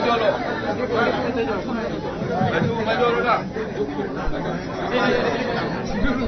rantau dan berharga